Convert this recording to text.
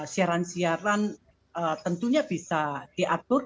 siaran siaran tentunya bisa diatur